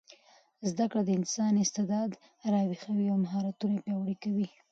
زده کړه د انسان استعداد راویښوي او مهارتونه پیاوړي کوي.